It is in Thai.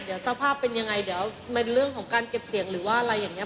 เดี๋ยวสภาพเป็นยังไงเดี๋ยวเป็นเรื่องของการเก็บเสียงหรือว่าอะไรอย่างนี้